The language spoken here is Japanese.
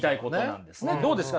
どうですか？